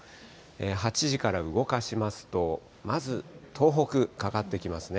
８時から動かしますと、まず東北、かかってきますね。